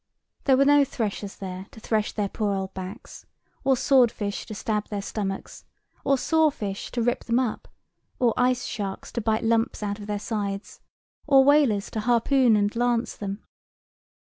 There were no threshers there to thresh their poor old backs, or sword fish to stab their stomachs, or saw fish to rip them up, or ice sharks to bite lumps out of their sides, or whalers to harpoon and lance them.